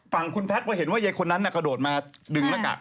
ฝั่งคุณแพทย์พอเห็นว่ายายคนนั้นกระโดดมาดึงหน้ากาก